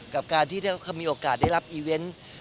กับการที่เขามีโอกาสได้รับอีเวนต์